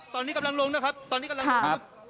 ตอนนี้กำลังลงนะครับตอนนี้กำลังลงครับ